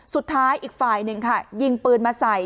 สุดท้ายอีกฝ่ายหนึ่งค่ะยิงปืนมาใส่